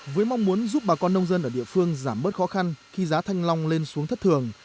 với mong muốn giúp bà con nông dân ở địa phương giảm bớt khó khăn khi giá thanh long lên xuống thất thường